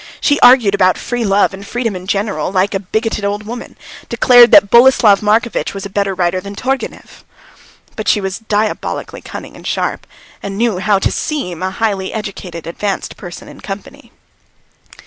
She argued about free love and freedom in general like a bigoted old woman, declared that Boleslav Markevitch was a better writer than Turgenev. But she was diabolically cunning and sharp, and knew how to seem a highly educated, advanced person in company.